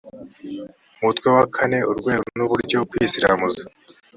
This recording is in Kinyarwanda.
umutwe wa kane urwego n uburyo kwisiramuza